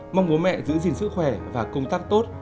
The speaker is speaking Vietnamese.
mong bố mẹ giữ gìn sức khỏe và công tác tốt